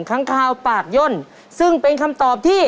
ค้างคาวปากย่นซึ่งเป็นคำตอบที่